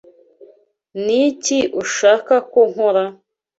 Niki ushaka ko nkora?